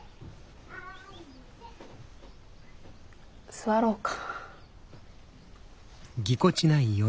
座ろうか。